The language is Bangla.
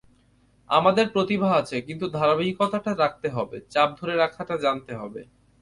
আমাদের প্রতিভা আছে, কিন্তু ধারাবাহিকতাটা রাখতে হবে, চাপ ধরে রাখাটা জানতে হবে।